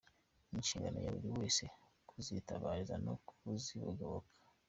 Ni inshingano ya buri wese kuzitabariza no kuzigoboka.